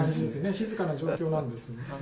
静かな状況なんですね。